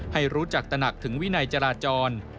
ให้รู้จักตระหนักถึงวินัยจราจร